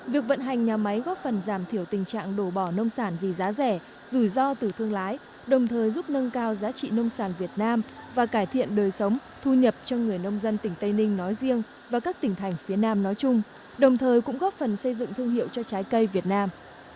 việc vận hành nhà máy góp phần giảm thiểu tình trạng đổ bỏ nông sản vì giá rẻ rủi ro từ thương lái đồng thời giúp nâng cao giá trị nông sản việt nam và cải thiện đời sống thu nhập cho người nông dân tỉnh tây ninh nói riêng và các tỉnh thành phía nam nói chung đồng thời cũng góp phần xây dựng thương hiệu cho trái cây việt nam